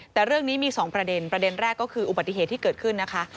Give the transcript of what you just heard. แต่เรื่องนี้มี๒ประเด็นประเด็นแรกก็คืออุบัติเหตุที่เกิดขึ้นนะคะ